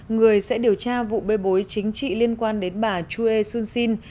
người sẽ điều tra vụ bê bối chính trị liên quan đến bà chue sun shin